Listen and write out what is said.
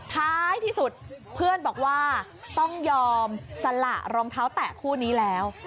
ท้ายที่สุดเพื่อนบอกว่าต้องยอมสละรองเท้าแตะคู่นี้แล้ว